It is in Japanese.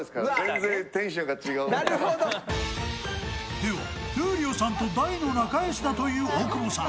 では、闘莉王さんと大の仲よしだという大久保さん